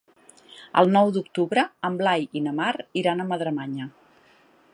El nou d'octubre en Blai i na Mar iran a Madremanya.